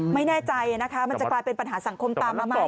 ไม่แน่ใจนะคะมันจะกลายเป็นปัญหาสังคมตามมาใหม่